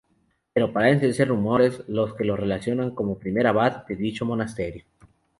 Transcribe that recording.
Pero parecen ser rumores los que lo relacionan como primer abad de dicho monasterio.